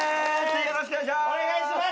よろしくお願いします。